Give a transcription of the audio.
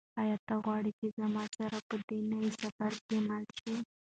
آیا ته غواړې چې زما سره په دې نوي سفر کې مل شې؟